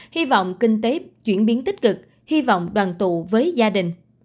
hy vọng kinh tế chuyển biến tích cực hy vọng đoàn tụ với gia đình